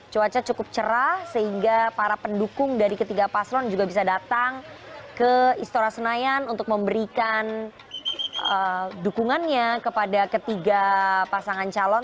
cuaca cukup cerah sehingga para pendukung dari ketiga paslon juga bisa datang ke istora senayan untuk memberikan dukungannya kepada ketiga pasangan calon